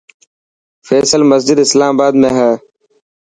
فيصل مسجد اسلام آباد ۾ هي.